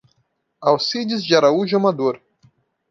Alcides de Araújo Amador